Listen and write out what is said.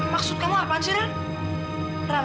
maksud kamu apaan sih ran